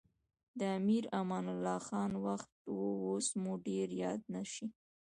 د امیر امان الله خان وخت و اوس مو ډېر یاد نه شي.